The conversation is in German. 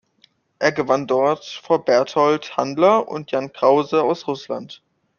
Er gewann dort vor Berthold Tandler und Jan Krause aus Russland.